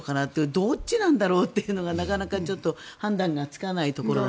どっちなんだろうっていうのがなかなかちょっと判断がつかないところが。